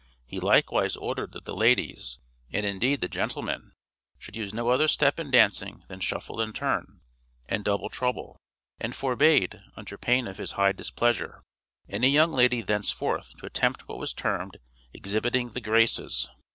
He likewise ordered that the ladies, and indeed the gentlemen, should use no other step in dancing than "shuffle and turn," and "double trouble;" and forbade, under pain of his high displeasure, any young lady thenceforth to attempt what was termed "exhibiting the graces."